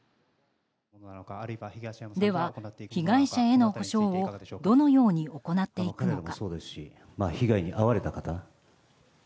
では、被害者への補償をどのように行っていくのか。